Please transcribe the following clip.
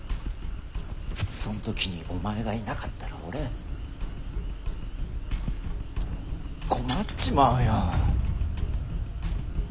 そん時にお前がいなかったら俺困っちまうよ。